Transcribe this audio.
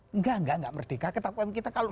enggak enggak enggak merdeka ketakutan kita kalau